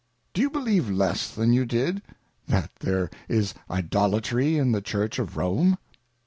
Do you believe less than you did, that there is Idolatry in the Church of Rome